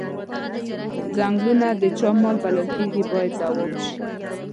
څنګلونه د چا مال بلل کیږي باید ځواب شي.